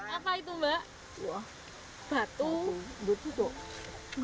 apa itu mbak